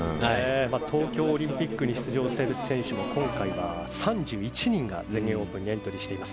東京オリンピックに出場する選手も今回は３１人が全英オープンにエントリーしています。